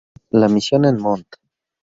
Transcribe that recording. La misión en Mont.